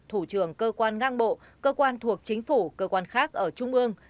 thủ trưởng cơ quan ngang bộ cơ quan thuộc chính phủ cơ quan khác ở trung ương